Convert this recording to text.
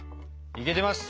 いけてます！